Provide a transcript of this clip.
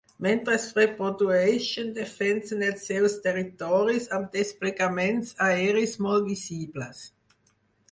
Mentre es reprodueixen, defensen els seus territoris amb desplegaments aeris molt visibles.